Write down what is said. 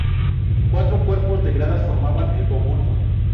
Cuatro cuerpos de gradas formaban el conjunto.